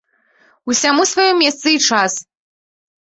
Усяму сваё месца і час.